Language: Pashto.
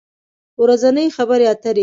ورځنۍ خبری اتری